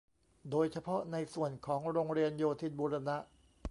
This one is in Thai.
โดยเฉพาะในส่วนของโรงเรียนโยธินบูรณะ